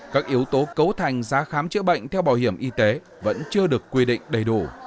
các yếu tố cấu thành giá khám chữa bệnh theo bảo hiểm y tế vẫn chưa được quy định đầy đủ